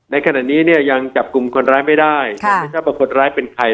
ในขณะนี้เนี่ยยังจับกลุ่มคนร้ายไม่ได้ยังไม่ทราบว่าคนร้ายเป็นใคร